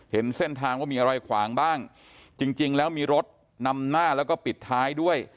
เห็นเส้นทางว่ามีอะไรขวางบ้างจริงแล้วมีรถนำหน้าแล้วก็ปิดท้ายด้วย